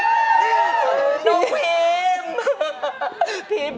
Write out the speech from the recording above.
เป็นเรื่องราวของแม่นาคกับพี่ม่าครับ